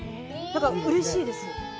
なんかうれしいです。